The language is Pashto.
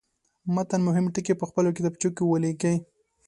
د متن مهم ټکي په خپلو کتابچو کې ولیکئ.